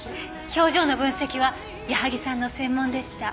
表情の分析は矢萩さんの専門でした。